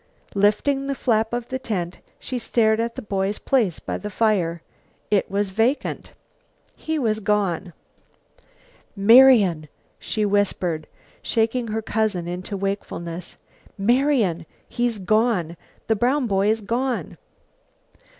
Lifting the flap of the tent, she stared at the boy's place by the fire. It was vacant. He was gone! "Marian," she whispered, shaking her cousin into wakefulness. "Marian! He's gone. The brown boy's gone!"